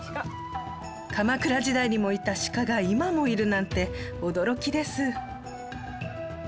鎌倉時代にもいた鹿が今もいるなんて驚きです。